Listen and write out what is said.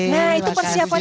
nah itu persiapan